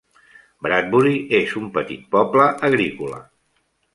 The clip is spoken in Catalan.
Bradbury és un petit poble agrícola.